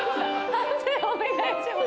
判定お願いします。